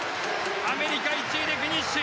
アメリカ１位でフィニッシュ。